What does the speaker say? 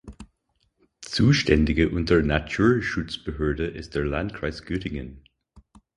Zuständige untere Naturschutzbehörde ist der Landkreis Göttingen.